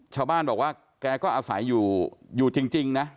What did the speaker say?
ชาวบ้านบอกว่าแกก็อาศัยอยู่อยู่จริงนะ